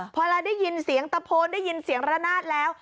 พอเราได้ยินเสียงตะโพนได้ยินเสียงระนาดแล้ว